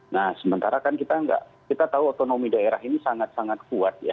nah sementara kan kita nggak kita tahu otonomi daerah ini sangat sangat kuat ya